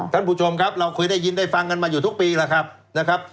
ท่านผู้ชมครับเราเคยได้ยินได้ฟังกันมาอยู่ทุกปีแล้วครับนะครับ